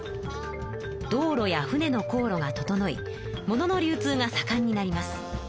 道路や船の航路が整いものの流通がさかんになります。